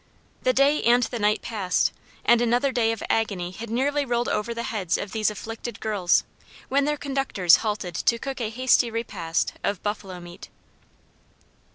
The day and the night passed, and another day of agony had nearly rolled over the heads of these afflicted girls, when their conductors halted to cook a hasty repast of buffalo meat.